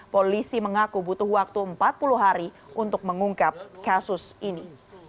polisi mengaku butuh waktu empat puluh hari untuk mengungkap kasus ini